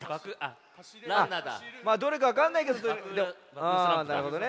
まあどれかわかんないけどあなるほどね。